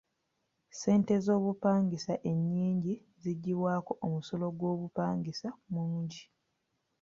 Ssente z'obupangisa ennyingi ziggyibwako omusolo gw'obupangisa mungi.